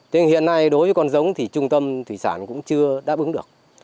nhưng hiện nay đối với con giống thì trung tâm thủy sản cũng chưa đáp ứng được